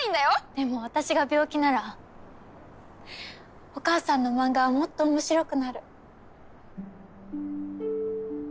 ⁉でも私が病気ならお母さんの漫画はもっと面白くなる。